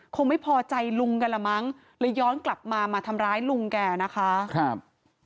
คงไม่พอใจลุงกันละมั้งเลยย้อนกลับมามาทำร้ายลุงแกนะคะครับ